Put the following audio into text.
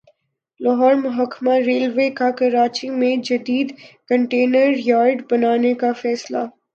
لاہور محکمہ ریلوے کا کراچی میں جدید کنٹینر یارڈ بنانے کا فیصلہ